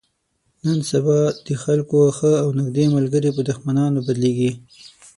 نن سبا د خلکو ښه او نیږدې ملګري په دښمنانو بدلېږي.